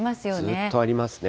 ずっとありますね。